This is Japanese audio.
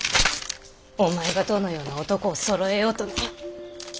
お前がどのような男をそろえようとな。